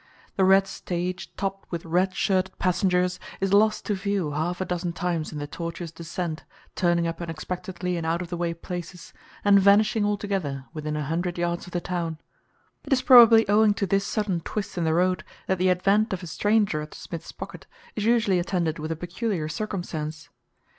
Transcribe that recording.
The red stage topped with red shirted passengers is lost to view half a dozen times in the tortuous descent, turning up unexpectedly in out of the way places, and vanishing altogether within a hundred yards of the town. It is probably owing to this sudden twist in the road that the advent of a stranger at Smith's Pocket is usually attended with a peculiar circumstance.